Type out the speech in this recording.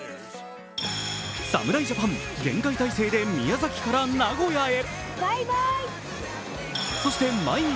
侍ジャパン、厳戒態勢で宮崎から名古屋へ。